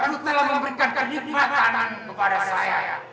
tuhan telah memberikan kekhidmatan kepada saya